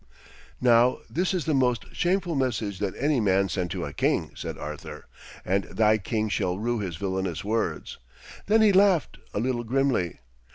'Now this is the most shameful message that any man sent to a king!' said Arthur, 'and thy king shall rue his villainous words.' Then he laughed a little grimly.